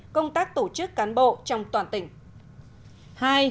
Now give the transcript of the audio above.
công tác tổ chức cán bộ trong toàn tỉnh